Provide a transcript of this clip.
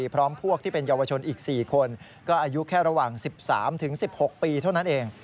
พร้อมพวกที่เป็นเยาวชนอีก๔คนก็อายุแค่ระหว่าง๑๓๑๖ปีเท่านั้นเอง